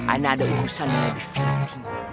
ana ada urusan yang lebih penting